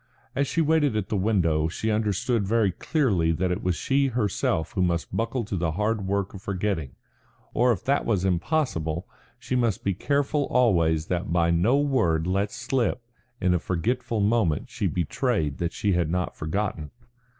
As she waited at the window she understood very clearly that it was she herself who must buckle to the hard work of forgetting. Or if that was impossible, she must be careful always that by no word let slip in a forgetful moment she betrayed that she had not forgotten.